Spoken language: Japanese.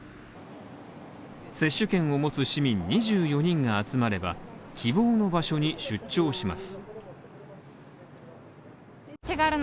接種券を持つ市民２４人が集まれば希望の場所に出張します。